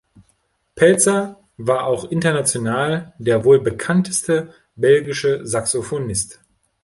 Pelzer war auch international der wohl bekannteste belgische Saxophonist.